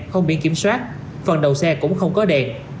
không biển kiểm soát phần đầu xe cũng không có đèn